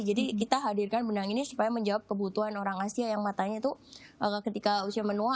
jadi kita hadirkan benang ini supaya menjawab kebutuhan orang asia yang matanya tuh ketika usia menua